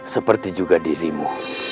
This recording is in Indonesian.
seperti juga dirimu